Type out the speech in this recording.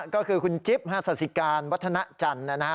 ก็คือคุณจิ๊บสาธิการวัฒนาจันทร์นะฮะ